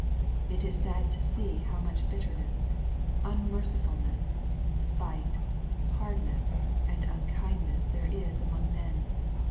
It is sad to see howmuchbitterness, unmercifulness, spite, hardness, and unkindness there is among men.